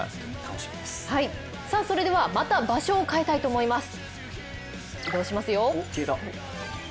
それではまた場所を変えたいと思います、移動しますよ。